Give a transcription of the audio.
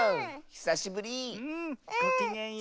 ひさしぶり！